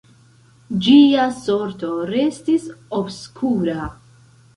Ĝia sorto restis obskura.